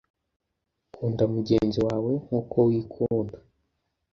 kunda mugenzi wawe nkuko wikunda